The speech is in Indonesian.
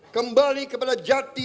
kembali kepada jati